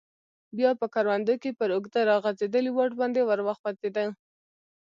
بیا په کروندو کې پر اوږده راغځیدلي واټ باندې ور وخوځیدو.